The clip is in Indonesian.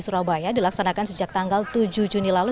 surabaya dilaksanakan sejak tanggal tujuh juni lalu